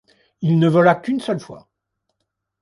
Il ne vola qu'une seule fois.